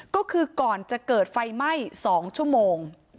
ก็คือก่อนจะเกิดไฟไหม้๒ชั่วโมง